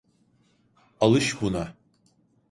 Alış buna.